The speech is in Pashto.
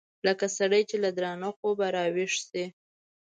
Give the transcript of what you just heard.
لکه سړى چې له درانه خوبه راويښ سي.